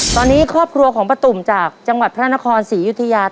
ตอนนี้ครอบครัวของป้าตุ่มจากจังหวัดพระนครศรีอยุธยา